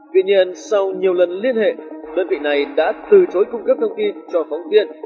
tuy nhiên sau nhiều lần liên hệ đơn vị này đã từ chối cung cấp thông tin cho phóng viên